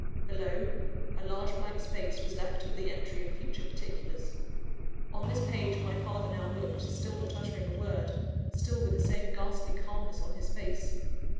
Below, a large blank space was left for the entry of future particulars. On this page my father now looked, still not uttering a word, still with the same ghastly calmness on his face.